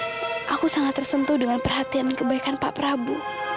kenapa belakangan ini aku sangat tersentuh dengan perhatian kebaikan pak prabu